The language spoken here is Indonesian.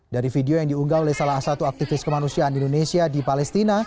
dari video yang diunggah oleh salah satu aktivis kemanusiaan indonesia di palestina